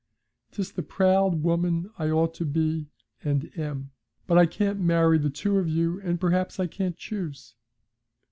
'Tis the proud woman I ought to be and am, but I can't marry the two of you, and perhaps I can't choose.'